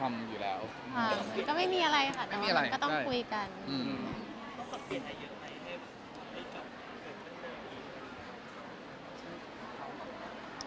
อย่ารู้เลยครับ